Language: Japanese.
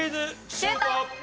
シュート！